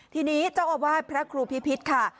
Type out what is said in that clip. ทีนี้เจ้าอาวาสพระครูพิพิษค่ะ